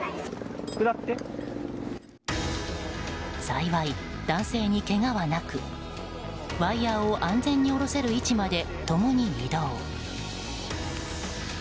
幸い、男性にけがはなくワイヤを安全に下ろせる位置まで共に移動。